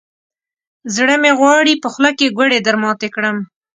زړه مې غواړي، په خوله کې ګوړې درماتې کړم.